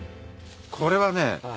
これはね。